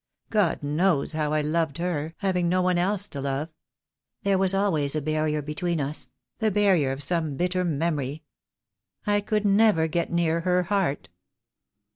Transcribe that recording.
God knows how I loved her, having no one else to love. There was always a barrier between us — the barrier of some bitter memory. I could never get near her heart."